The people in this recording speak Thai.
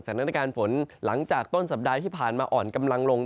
สถานการณ์ฝนหลังจากต้นสัปดาห์ที่ผ่านมาอ่อนกำลังลง